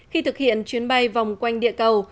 khi thực hiện chuyến bay vòng quanh địa cầu